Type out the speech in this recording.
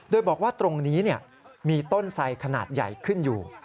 โดยบอกว่าตรงนี้มีต้นไสขนาดใหญ่ขึ้นอยู่